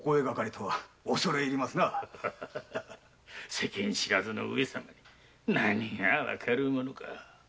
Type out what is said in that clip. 世間知らずの上様に何がわかるものか。